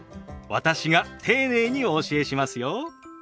私が丁寧にお教えしますよ。